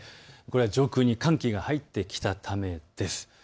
上空に寒気が入ってきたためです。